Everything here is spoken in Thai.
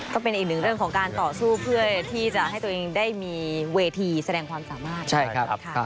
ก็เป็นอีกหนึ่งเรื่องของการต่อสู้เพื่อที่จะให้ตัวเองได้มีเวทีแสดงความสามารถ